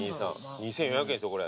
２，４００円ですよこれ。